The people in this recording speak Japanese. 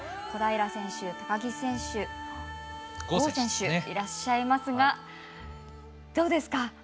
小平選手、高木選手郷選手、いらっしゃいますがどうですか。